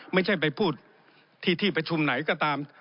ไม่ใช่ไปพูดที่ที่ประชุมไหนก็ตาม